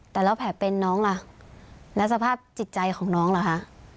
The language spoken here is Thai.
แต่แล้วแผลเป็นน้องล่ะแล้วสภาพจิตใจของน้องล่ะคะ